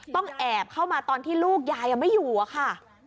ต้องแอบเข้ามาตอนที่ลูกยายไม่อยู่อะค่ะ